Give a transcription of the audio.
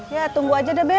ya tunggu aja deh